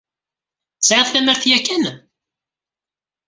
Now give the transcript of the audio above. Tesεiḍ tamart yakan?